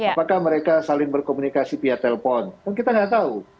apakah mereka saling berkomunikasi via telepon kan kita nggak tahu